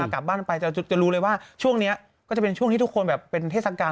กลับบ้านไปจะรู้เลยว่าช่วงนี้ก็จะเป็นช่วงที่ทุกคนแบบเป็นเทศกาล